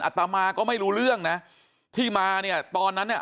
ตมาก็ไม่รู้เรื่องนะที่มาเนี่ยตอนนั้นเนี่ย